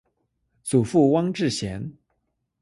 祖父汪志贤。